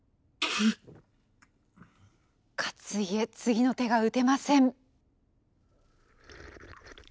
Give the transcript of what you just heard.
勝家次の手が打てません。